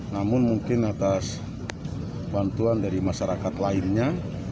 namun mungkin atas bantuan dari masyarakat lainnya